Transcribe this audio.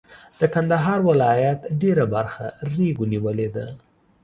د کندهار ولایت ډېره برخه ریګو نیولې ده.